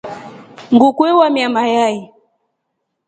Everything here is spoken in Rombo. Nguku ewamia mayai.